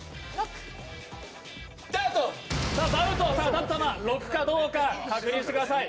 舘様、６かどうか確認してください。